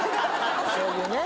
そういうね。